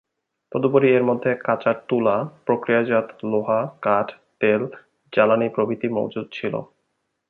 তদুপরি এর মধ্যে কাঁচা তুলা, প্রক্রিয়াজাত লোহা, কাঠ, তেল, জ্বালানি প্রভৃতি মজুদ ছিল।